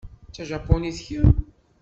D tajapunit kemm?